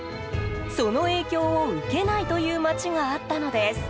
その影響を受けないという街があったのです。